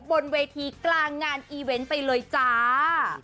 บนเวทีกลางงานอีเวนต์ไปเลยจ้า